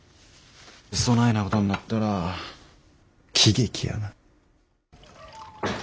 そないなことになったら喜劇やな。